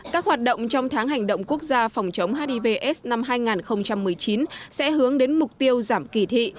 các hoạt động trong tháng hành động quốc gia phòng chống hivs năm hai nghìn một mươi chín sẽ hướng đến mục tiêu giảm kỳ thị